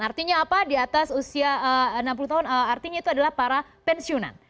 artinya apa di atas usia enam puluh tahun artinya itu adalah para pensiunan